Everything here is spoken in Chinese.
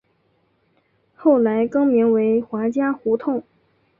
后来更名为华嘉胡同。